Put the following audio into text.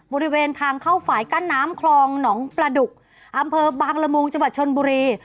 บริเวณทางเข้าฝ่ายกั้นน้ำคลองหนองประดุกอำเภอบางละมุงจังหวัดชนบุรี